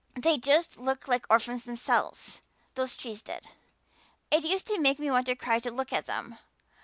They just looked like orphans themselves, those trees did. It used to make me want to cry to look at them.